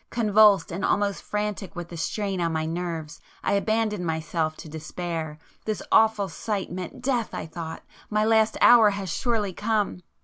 Convulsed and almost frantic with the strain on my nerves, I abandoned myself to despair,—this awful sight meant death I thought,—my last hour had surely come!